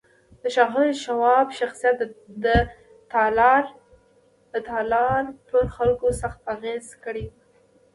د ښاغلي شواب شخصیت د تالار پر خلکو سخت اغېز کړی و